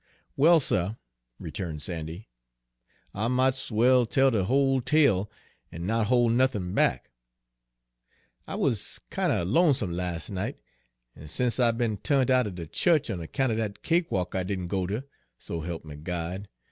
"Well, suh," returned Sandy, "I mought's well tell de whole tale an' not hol' nothin' back. I wuz kind er lonesome las' night, an' sence I be'n tu'ned outen de chu'ch on account er dat cakewalk I didn' go ter, so he'p me God!